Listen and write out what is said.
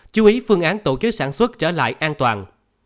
chú ý phương án tổ chức sản xuất trở lại an toàn